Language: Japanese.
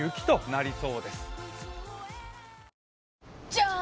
じゃーん！